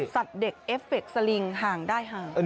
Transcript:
เด็กเอฟเฟคสลิงห่างได้ห่าง